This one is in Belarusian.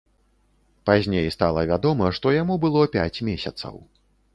Пазней стала вядома, што яму было пяць месяцаў.